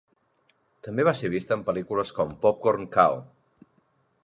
També va ser vista en pel·lícules com Popcorn Khao!